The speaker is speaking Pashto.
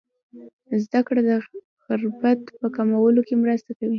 زده کړه د غربت په کمولو کې مرسته کوي.